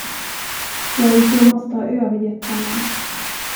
Gorgo måste ha övergett honom.